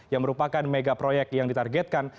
yang merupakan megaproyek yang ditargetkan